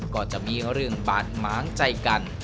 ก็จะมีเรื่องบาดหมางใจกัน